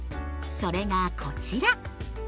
それがこちら！